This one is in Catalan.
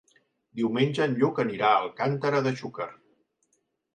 Diumenge en Lluc anirà a Alcàntera de Xúquer.